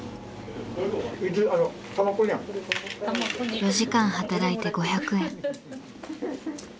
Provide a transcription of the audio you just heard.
４時間働いて５００円。